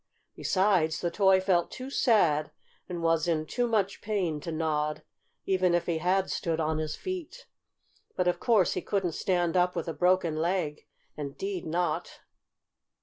Besides, the toy felt too sad and was in too much pain to nod, even if he had stood on his feet. But of course he couldn't stand up with a broken leg. Indeed not!